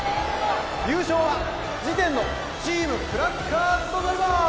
・優勝は次点のチームクラッカーズとなります